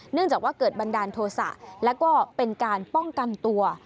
จากว่าเกิดบันดาลโทษะแล้วก็เป็นการป้องกันตัว